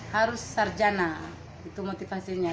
harus sarjana itu motivasinya